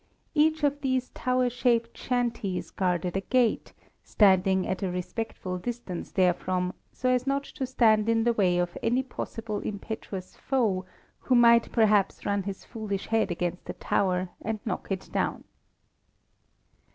Each of these tower shaped shanties guarded a gate, standing at a respectful distance therefrom, so as not to stand in the way of any possible impetuous foe who might perhaps run his foolish head against a tower and knock it down.